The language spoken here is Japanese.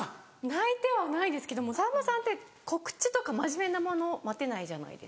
泣いてはないですけどもさんまさんって告知とか真面目なもの待てないじゃないですか。